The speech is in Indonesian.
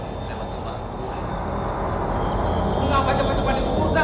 mengapa cepat cepat dikuburkan